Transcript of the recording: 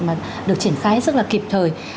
mà được triển khai rất là kịp thời